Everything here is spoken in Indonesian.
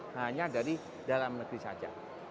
hanya dari dalam negeri saja